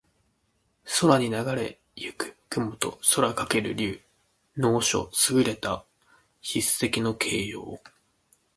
空にながれ行く雲と空翔ける竜。能書（すぐれた筆跡）の形容。